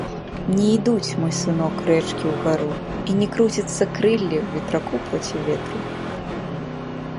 Не ідуць, мой сынок, рэчкі ўгару і не круціцца крылле ў ветраку проці ветру.